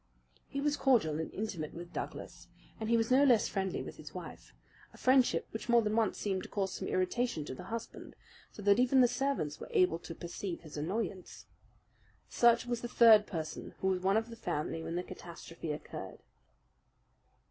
He was cordial and intimate with Douglas, and he was no less friendly with his wife a friendship which more than once seemed to cause some irritation to the husband, so that even the servants were able to perceive his annoyance. Such was the third person who was one of the family when the catastrophe occurred.